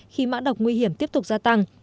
khi mã đọc nguy hiểm tiếp tục gia tăng